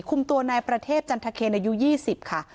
คุมตัวนายประเทพจันทเคนอายุ๒๐ค่ะ